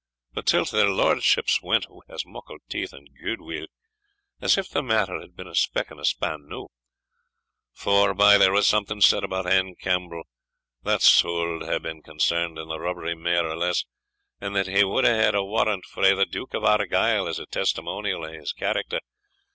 But till't their lordships went wi' as muckle teeth and gude will, as if the matter had been a' speck and span new. Forbye, there was something said about ane Campbell, that suld hae been concerned in the rubbery, mair or less, and that he suld hae had a warrant frae the Duke of Argyle, as a testimonial o' his character.